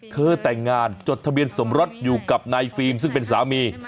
เธอแต่งงานจดทะเบียนสมรสอยู่กับนายฟิล์มซึ่งเป็นสามี